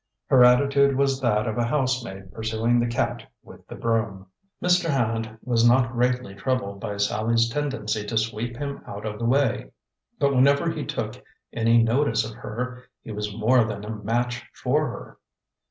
Her attitude was that of a housemaid pursuing the cat with the broom. Mr. Hand was not greatly troubled by Sallie's tendency to sweep him out of the way, but whenever he took any notice of her he was more than a match for her.